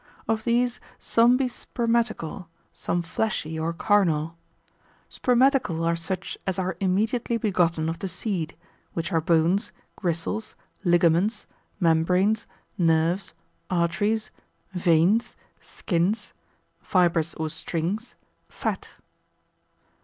Of these some be spermatical, some fleshy or carnal. Spermatical are such as are immediately begotten of the seed, which are bones, gristles, ligaments, membranes, nerves, arteries, veins, skins, fibres or strings, fat.